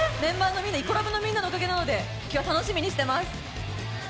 イコラブのみんなのおかげなので今日は楽しみにしています。